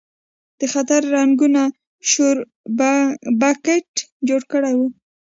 د خطر زنګونو شور بګت جوړ کړی و.